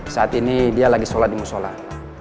saat ini dia lagi sholat di musola